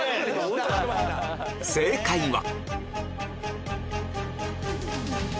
正解は？